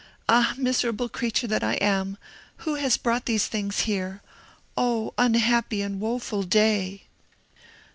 Ah, miserable creature that I am! who has brought these things here? Oh, unhappy and woeful day!"